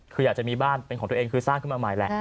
คืออยากจะมีบ้านเป็นของตัวเองคือสร้างขึ้นมาใหม่แหละ